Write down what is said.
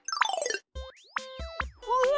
うわ！